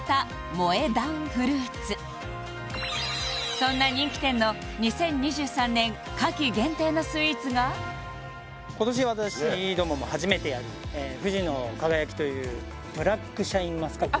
そんな人気店の２０２３年夏季限定のスイーツが今年私どもも初めてやる富士の輝というブラックシャインマスカット